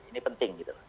ini penting gitu